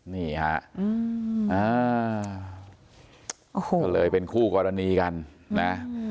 นี่ฮะโอ้โหก็เลยเป็นคู่กรณีกันนะ